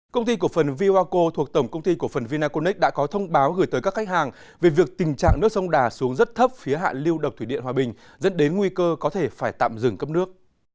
công ty cổ phần viwako thuộc tổng công ty cổ phần vinaconex đã có thông báo gửi tới các khách hàng về việc tình trạng nước sông đà xuống rất thấp phía hạ lưu độc thủy điện hòa bình dẫn đến nguy cơ có thể phải tạm dừng cấp nước